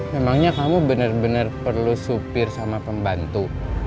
memangnya kamu bener bener perlu supir sama pembantu